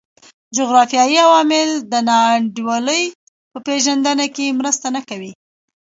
جغرافیوي عوامل د نا انډولۍ په پېژندنه کې مرسته نه کوي.